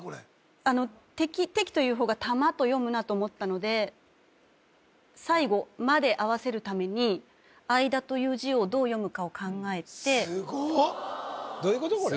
あの「適」という方が「たま」と読むなと思ったので最後「ま」で合わせるために「間」という字をどう読むかを考えてどういうこと？